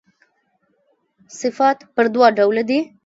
صفات پر دوه ډوله دي.